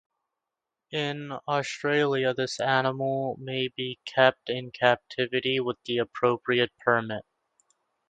In Australia, this animal may be kept in captivity with the appropriate permit.